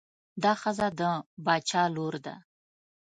دا ښځه د باچا لور ده.